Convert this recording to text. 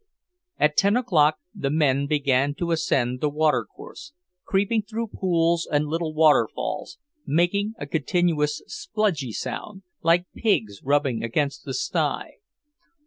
At ten o'clock the men began to ascend the water course, creeping through pools and little waterfalls, making a continuous spludgy sound, like pigs rubbing against the sty.